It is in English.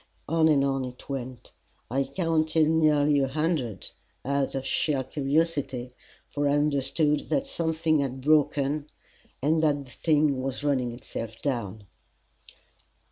On and on it went. I counted nearly a hundred, out of sheer curiosity, for I understood that something had broken and that the thing was running itself down.